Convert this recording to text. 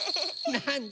なんだ？